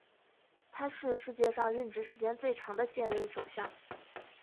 他是世界上任职时间最长的现任首相。